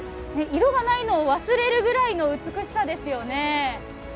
色がないのを忘れるぐらいの美しさですよね。